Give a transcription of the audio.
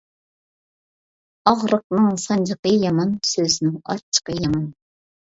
ئاغرىقنىڭ سانجىقى يامان، سۆزنىڭ ئاچچىقى يامان.